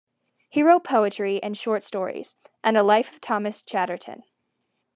He wrote poetry and short stories, and a "Life of Thomas Chatterton".